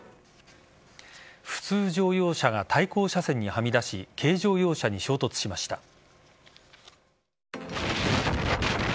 普通乗用車が対向車線にはみ出し軽乗用車に衝突しました。